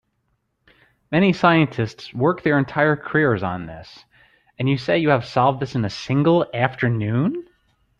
Many scientists work their entire careers on this, and you say you have solved this in a single afternoon?